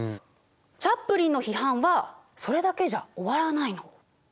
チャップリンの批判はそれだけじゃ終わらないの。